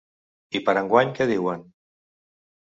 I per a enguany què diuen?